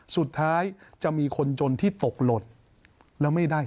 สุดท้ายจะมีคนจนที่ตกหล่นแล้วไม่ได้